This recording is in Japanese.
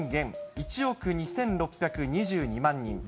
１億２６２２万人。